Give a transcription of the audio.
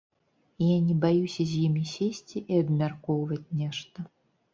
Я не баюся з імі сесці і абмяркоўваць нешта.